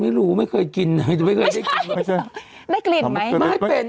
มันทำสดเปรี้ยวไหม